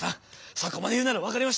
そこまで言うなら分かりました！